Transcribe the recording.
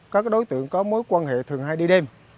các đối tượng có mối quan hệ thường hay đi đêm